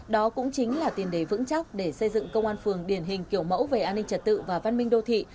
đó cũng chính là tiền đề vững chắc để xây dựng công an phường điển hình kiểu mẫu về an ninh trật tự và văn minh đô thị